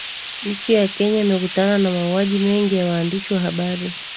Nchi ya Kenya imekutana na mauaji mengi ya waandishi wa habari